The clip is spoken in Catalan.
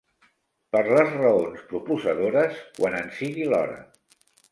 Per les raons proposadores quan en sigui l'hora.